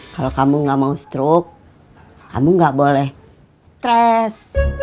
kalau kamu gak mau stroke kamu gak boleh stres